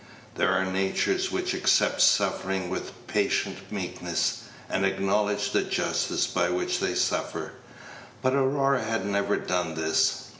There are natures which accept suffering with patient meekness, and acknowledge the justice by which they suffer; but Aurora had never done this.